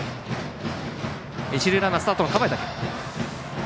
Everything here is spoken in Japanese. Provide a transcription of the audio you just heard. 一塁ランナーはスタートの構えだけ。